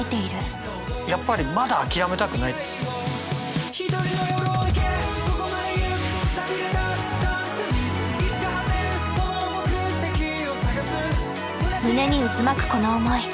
やっぱり胸に渦巻くこの思い。